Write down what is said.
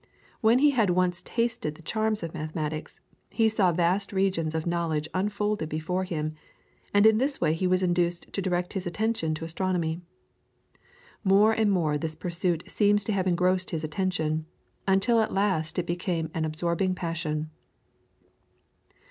When he had once tasted the charms of mathematics, he saw vast regions of knowledge unfolded before him, and in this way he was induced to direct his attention to astronomy. More and more this pursuit seems to have engrossed his attention, until at last it had become an absorbing passion.